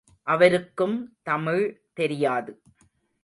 அவருக்கும் தமிழ் தெரியாது.